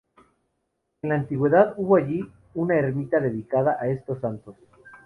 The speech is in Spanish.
En la antigüedad hubo allí una ermita dedicada a estos santos.